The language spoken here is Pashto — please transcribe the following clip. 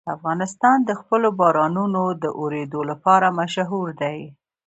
افغانستان د خپلو بارانونو د اورېدو لپاره مشهور دی.